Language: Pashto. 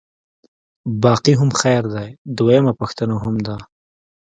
باقي هم خیر دی، دویمه پوښتنه هم ده.